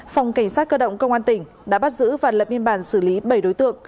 phòng cảnh sát cơ động công an tỉnh đã bắt giữ và lập biên bản xử lý bảy đối tượng